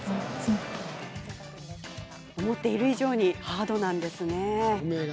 思っている以上にハードなんですね。